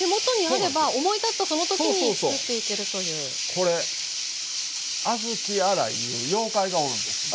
これ「小豆洗い」いう妖怪がおるんですよ。